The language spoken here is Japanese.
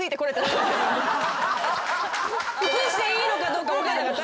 映していいのかどうか分かんなかった。